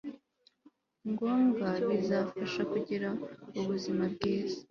ngombwa bizabafasha kugira ubuzima bwiza